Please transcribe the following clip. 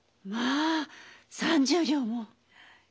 まあ３０両も！